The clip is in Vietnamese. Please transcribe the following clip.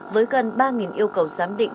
với gần ba yêu cầu giám định